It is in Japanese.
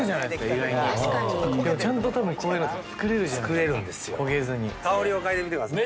意外にでもちゃんと多分こういうのって作れるじゃないですか焦げずに香りをかいでみてください